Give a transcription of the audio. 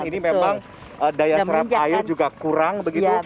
ini memang daya serep air juga kurang